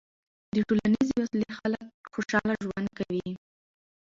د ټولنیزې وصلۍ خلک خوشحاله ژوند کوي.